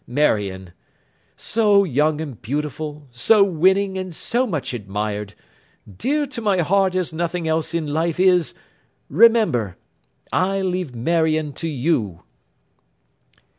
Marion—so young and beautiful, so winning and so much admired, dear to my heart as nothing else in life is—remember! I leave Marion to you!